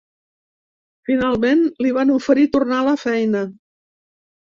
Finalment, li van oferir tornar a la feina.